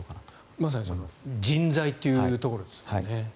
まさに人材というところですね。